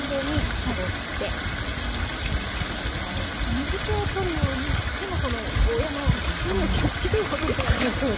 水けを取るようにでもそのゴーヤーの繊維を傷つけるほどではなくという。